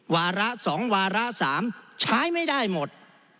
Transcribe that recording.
วาระสองวาระสามใช้ไม่ได้หมด